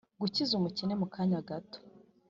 gukiza umukene mu kanya gato